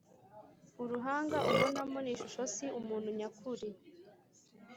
uruhanga ubonamo ni ishusho, si umuntu nyakuri.